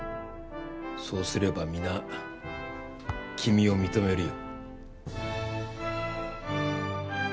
そうすれば皆君を認めるよ。